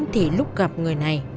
thì lúc gặp người này